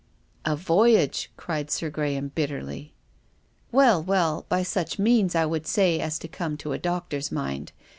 " A voyage !" cried Sir Graham bitterly. " Well, well — by such means, I would say, as come to a doctor's mind.